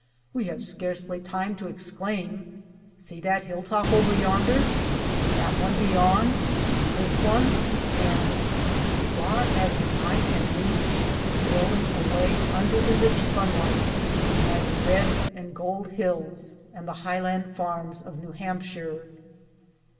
We have scarcely time to exclaim, " See that hill top over yonder, and that one beyond, and this one, and " — far as the eye can reach, rolling away un der the rich sunlight, lie the red and gold hills and the highland farms of New Hampshire.